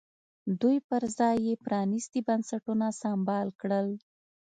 دوی پر ځای یې پرانیستي بنسټونه سمبال کړل.